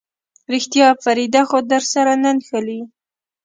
رښتيا فريده خو درسره نه نښلي.